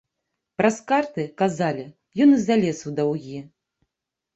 Праз карты, казалі, ён і залез у даўгі.